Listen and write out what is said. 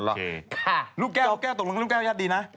ลูกแก้วลูกแก้วยัดดีนะ